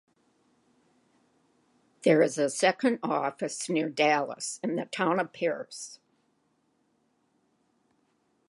There is a second office near Dallas, in the town of Paris.